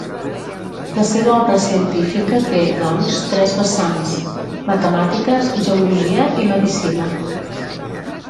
La seva obra científica té, doncs, tres vessants: matemàtiques, geologia i medicina.